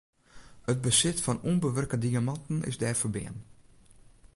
It besit fan ûnbewurke diamanten is dêr ferbean.